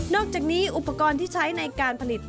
อกจากนี้อุปกรณ์ที่ใช้ในการผลิต